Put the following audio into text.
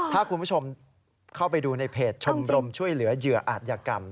ถ้าคุณผู้ชมเข้าไปดูในเพจชมรมช่วยเหลือเหยื่ออาจยกรรม